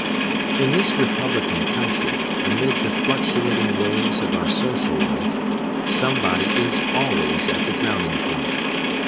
In this republican country, amid the fluctuating waves of our social life, somebody is always at the drowning point.